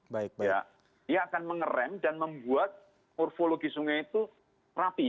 dia akan mengeram dan membuat morfologi sungai itu rapi